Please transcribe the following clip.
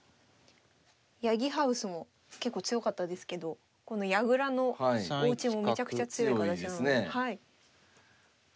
八木ハウスも結構強かったですけどこの矢倉のおうちもめちゃくちゃ強い形なので。